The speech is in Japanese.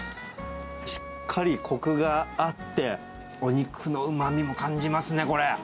しっかりこくがあって、お肉のうまみも感じますね、これ。